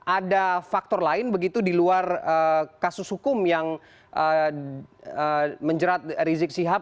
ada faktor lain begitu di luar kasus hukum yang menjerat rizik sihab